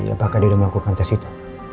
apakah dia sudah melakukan tes itu